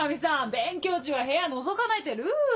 勉強中は部屋のぞかないってルール。